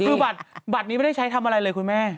คือบัตรนี้ไม่ได้ใช้ทำอะไรเลยคุณแม่